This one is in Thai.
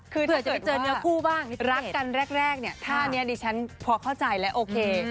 คือเธอจะไปเจอเนื้อคู่บ้างรักกันแรกเนี่ยท่านี้ดิฉันพอเข้าใจแล้วโอเค